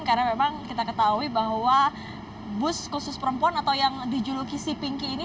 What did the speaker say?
karena memang kita ketahui bahwa bus khusus perempuan atau yang dijulukisi pinky ini